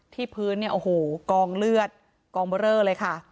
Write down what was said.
พื้นเนี่ยโอ้โหกองเลือดกองเบอร์เรอเลยค่ะ